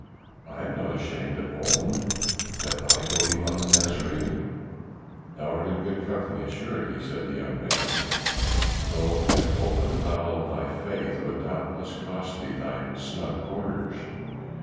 I am not ashamed to own that I believe on the Nazarene." "Thou art in good company, assuredly," said the young man, "though an open avowal of thy faith would doubtless cost thee thy snug quarters.